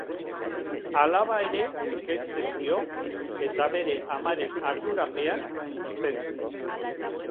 Alaba ere kentzen dio eta bere amaren ardurapean uzten du.